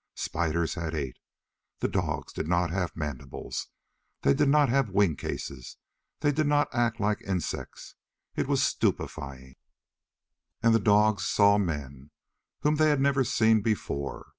Spiders had eight. The dogs did not have mandibles. They did not have wing cases. They did not act like insects. It was stupifying! And the dogs saw men, whom they had never seen before.